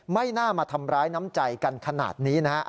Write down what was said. ไม่น่ามาทำร้ายน้ำใจกันขนาดนี้นะฮะ